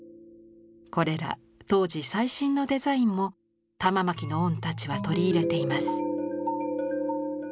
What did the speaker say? これら当時最新のデザインも玉纏御太刀は取り入れています。